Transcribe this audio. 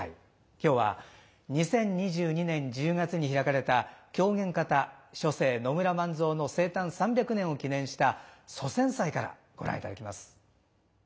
今日は２０２２年１０月に開かれた狂言方初世野村万蔵の生誕３００年を記念した祖先祭からご覧いただきます。